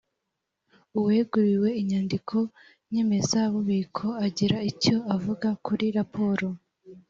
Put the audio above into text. uweguriwe inyandiko nyemezabubiko agira icyo avuga kuri raporo